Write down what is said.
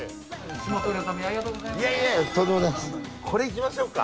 これいきましょうか。